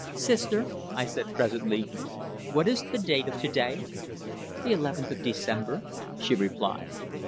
"Sister," I said presently. "What is the date of to day?" "The eleventh of December," she replied.